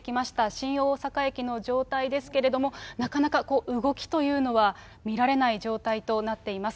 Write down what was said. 新大阪駅の状態ですけれども、なかなか動きというのは見られない状態となっています。